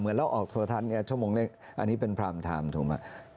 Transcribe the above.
เหมือนเราออกโทรธันต์ชั่วโมงเร่งอันนี้เป็นพรามไทม์ถูกไหม